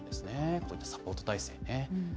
こういうサポート体制ね。